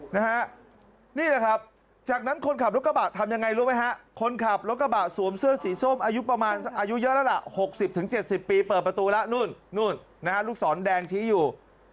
นี่แหละครับจากนั้นคนขับรถกระบะทำยังไงรู้ไหมฮะคนขับรถกระบะสวมเสื้อสีส้มอายุประมาณอายุเยอะแล้วล่ะ๖๐๗๐ปีเปิดประตูแล้วนู่นนู่นนะฮะลูกศรแดงชี้อยู่